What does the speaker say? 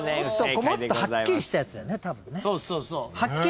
もっとはっきりしたやつだよねたぶんね。